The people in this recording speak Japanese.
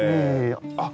あっ！